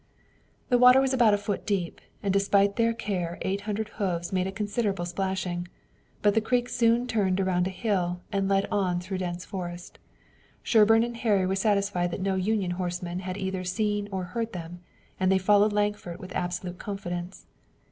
The water was about a foot deep, and despite their care eight hundred hoofs made a considerable splashing, but the creek soon turned around a hill and led on through dense forest. Sherburne and Harry were satisfied that no Union horseman had either seen or heard them, and they followed Lankford with absolute confidence.